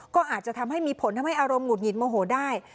ก็อาจจะทำให้มีผลทำให้อารมณ์หุดหงิดโมโหได้